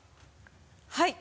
はい。